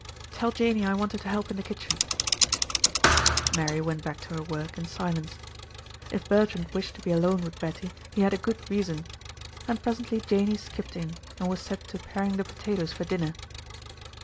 "Tell Janey I want her to help in the kitchen." Mary went back to her work in silence. If Bertrand wished to be alone with Betty, he had a good reason; and presently Janey skipped in and was set to paring the potatoes for dinner.